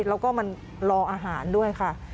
แล้วก็มันรออาหารด้วยค่ะ